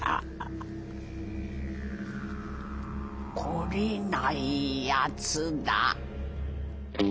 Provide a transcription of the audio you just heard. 懲りないやつだ」。